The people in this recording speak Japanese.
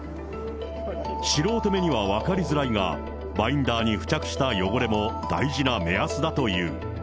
素人目には分かりづらいが、バインダーに付着した汚れも大事な目安だという。